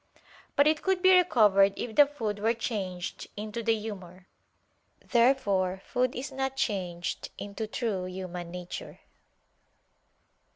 But it could be recovered if the food were changed into the humor. Therefore food is not changed into true human nature.